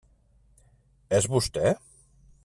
És vostè?